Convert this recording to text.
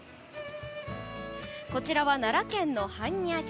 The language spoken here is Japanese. こちらは、奈良県の般若寺。